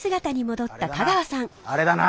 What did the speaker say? あれだな。